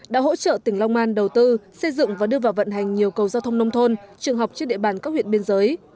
đã hỗ trợ tỉnh long an đầu tư xây dựng và đưa vào vận hành nhiều cầu giao thông nông thôn trường học trên địa bàn các huyện biên giới